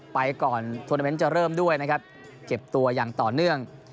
ไปก่อนทวนาเมนต์จะเริ่มด้วยนะครับเก็บตัวอย่างต่อเนื่อง